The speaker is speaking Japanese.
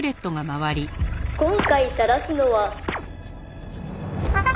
「今回さらすのは」